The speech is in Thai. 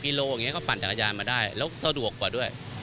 เพราะนี้ก็ปั่นจักรยานมาได้และเศร้าดวกกว่าด้วย